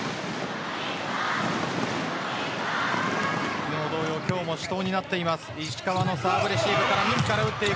昨日と同様今日も死闘になっています。